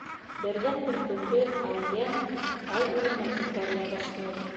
Берҙән-бер көндө Талйән тау үренә күтәрелә башлай.